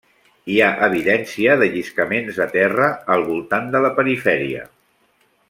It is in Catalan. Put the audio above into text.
Hi ha evidència de lliscaments de terra al voltant de la perifèria.